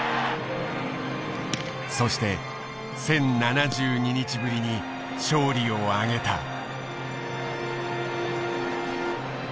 そして１，０７２日ぶりに勝利を挙げた。